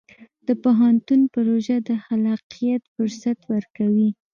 د پوهنتون پروژه د خلاقیت فرصت ورکوي.